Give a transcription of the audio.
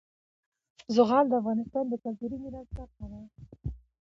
زغال د افغانستان د کلتوري میراث برخه ده.